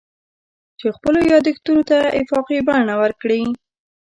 چې خپلو یادښتونو ته افاقي بڼه ورکړي.